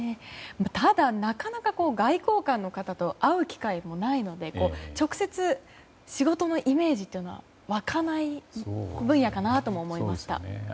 ただ、なかなか外交官の方と会う機会がないので直接、仕事のイメージというのは湧かない分野かなと思いました。